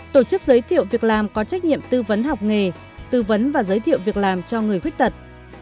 tổ chức giới thiệu việc làm có trách nhiệm tư vấn học nghề tư vấn và giới thiệu việc làm cho người khuyết tật